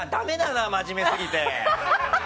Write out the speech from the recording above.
真面目すぎて。